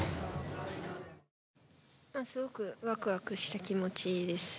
すごくワクワクした気持ちです。